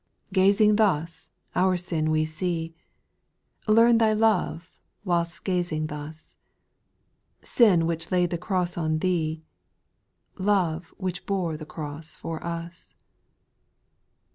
2. Gazing thus our sin we see, Learn Thy love whilst gazing thus ;— Sin which laid the cross on Thee, Love which bore the cross for us.